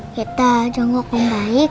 kita jonggok om baik